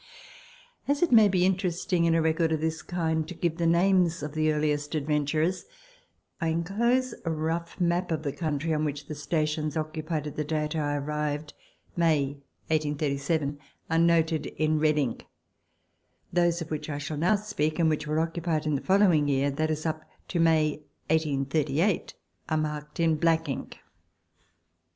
As it may be interesting in a record of this kind to give the names of the earliest adventurers, I enclose a rough map of the country on which the stations occupied at the date I arrived (May 1837) are noted in red ink ; those of which I shall now speak and which were occupied in the following year, that is up to May 1838, are marked in black ink.